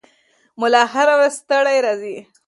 ملا هره ورځ ستړی راځي.